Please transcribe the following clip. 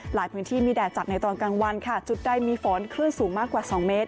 หลายพื้นที่มีแดดจัดในตอนกลางวันค่ะจุดใดมีฝนคลื่นสูงมากกว่า๒เมตร